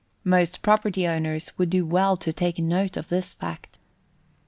Most property owners would do well to take note of this fact.